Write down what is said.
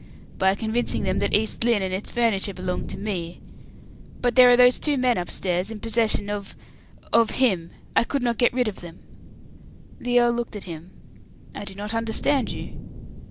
"By convincing them that East Lynne and its furniture belonged to me. But there are those two men upstairs, in possession of of him; I could not get rid of them." The earl looked at him. "I do not understand you."